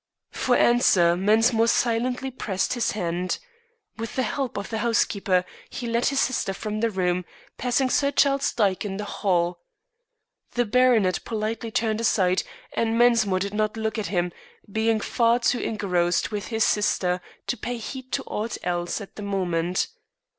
For answer Mensmore silently pressed his hand. With the help of the housekeeper he led his sister from the room, passing Sir Charles Dyke in the hall. The baronet politely turned aside, and Mensmore did not look at him, being far too engrossed with his sister to pay heed to aught else at the moment.